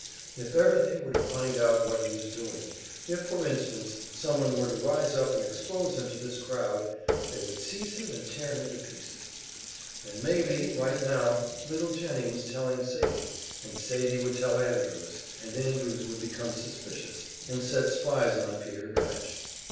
If ever they were to find out what he was doing if for instance, someone were to rise up and expose him to this crowd they would seize him and tear him to pieces. And maybe, right now, little Jennie was telling Sadie; and Sadie would tell Andrews, and Andrews would become suspicious, and set spies on Peter Gudge!